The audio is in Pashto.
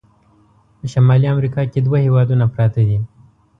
په شمالي امریکا کې دوه هیوادونه پراته دي.